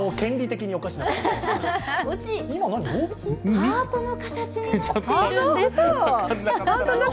ハートの形になっているんです。